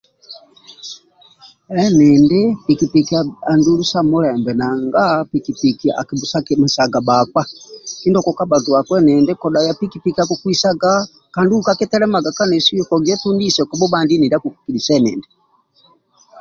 Edindi piki piki andulu sa mulembe nanga piki piki akibhusakimesaga bhakpa kjgua eti onise kobhubhandi endindinakukukidhisa kobhubhandi endindi